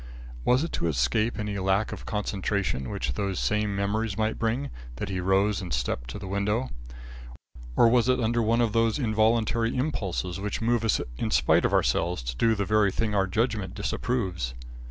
Was it to escape any lack of concentration which these same memories might bring, that he rose and stepped to the window? Or was it under one of those involuntary impulses which move us in spite of ourselves to do the very thing our judgment disapproves?